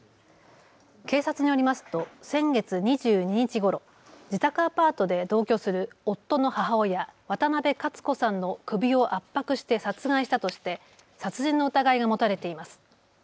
警察によりますと先月２２日ごろ、自宅アパートで同居する夫の母親、渡邉克子さんの首を圧迫して殺害したとして殺人の疑いが持たれています。